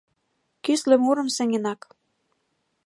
Кӱсле мурым сеҥенак